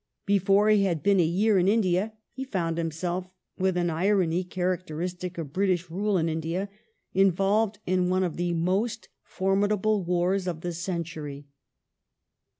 Before he had been a year in India he found himself, with an irony characteristic of British rule in India, in volved in one of the most formidable wars of the century.